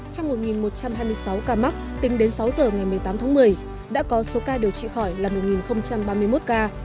trong một một trăm hai mươi sáu ca mắc tính đến sáu giờ ngày một mươi tám tháng một mươi đã có số ca điều trị khỏi là một ba mươi một ca